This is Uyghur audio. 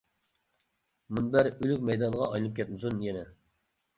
مۇنبەر ئۆلۈك مەيدانىغا ئايلىنىپ كەتمىسۇن يەنە!